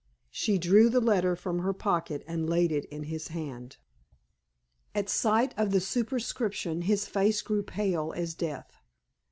She drew the letter from her pocket and laid it in his hand. At sight of the superscription his face grew pale as death.